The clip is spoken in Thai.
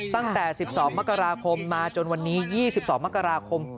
ตั้งแต่สิบสองมกราคมมาจนวันนี้ยี่สิบสองมกราคม